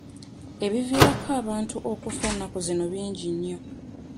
Ebiviirako abantu okufa ennaku zino bingi nnyo.